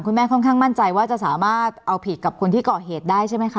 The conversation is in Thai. แม่ค่อนข้างมั่นใจว่าจะสามารถเอาผิดกับคนที่เกาะเหตุได้ใช่ไหมคะ